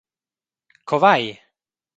Co vai?